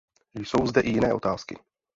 Jsou zde i jiné otázky.